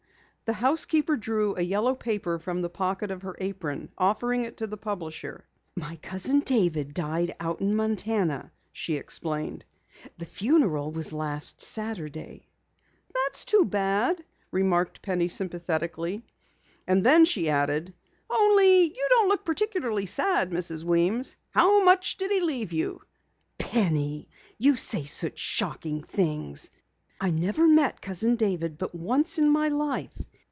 The housekeeper drew a yellow paper from the pocket of her apron, offering it to the publisher. "My Cousin David died out in Montana," she explained. "The funeral was last Saturday." "That's too bad," remarked Penny sympathetically. And then she added: "Only you don't look particularly sad, Mrs. Weems. How much did he leave you?" "Penny! You say such shocking things! I never met Cousin David but once in my life.